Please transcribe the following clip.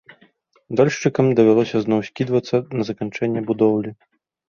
Дольшчыкам давялося зноў скідвацца на заканчэнне будоўлі.